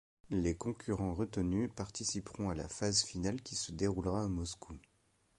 Les concurrents retenus participeront à la phase finale qui se déroulera à Moscou.